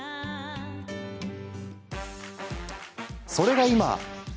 それが今！